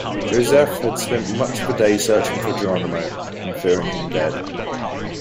Josephe had spent much of the day searching for Jeronimo and fearing him dead.